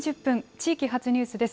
地域発ニュースです。